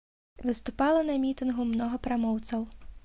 Выступала на мітынгу многа прамоўцаў.